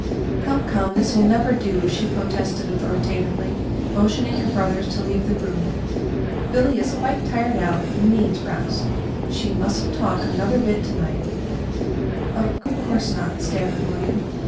"Come, come, this will never do," she protested authoritatively, motioning her brothers to leave the room. "Billy is quite tired out, and needs rest. She mustn't talk another bit to night." "Of c course not," stammered William.